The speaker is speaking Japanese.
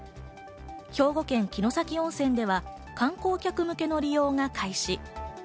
兵庫県、城崎温泉では観光客向けの利用が開始。